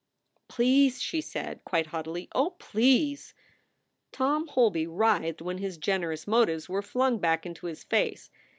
"Please!" she said, quite haughtily. "Oh, please!" Tom Holby writhed when his generous motives were flung back into his face.